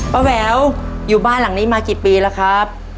แหววอยู่บ้านหลังนี้มากี่ปีแล้วครับ